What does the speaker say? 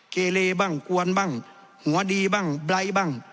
เกเลบ้างกวนบ้างหัวดีบ้างไลท์บ้าง